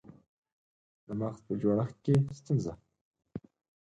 د مغز په جوړښت کې ستونزه